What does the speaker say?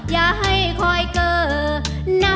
อย่าให้คอยเกลอ